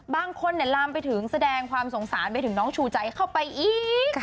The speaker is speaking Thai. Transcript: ลามไปถึงแสดงความสงสารไปถึงน้องชูใจเข้าไปอีก